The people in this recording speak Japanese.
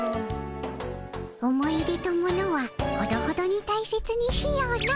思い出と物はほどほどに大切にしようの。